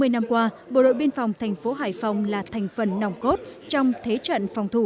hai mươi năm qua bộ đội biên phòng thành phố hải phòng là thành phần nòng cốt trong thế trận phòng thủ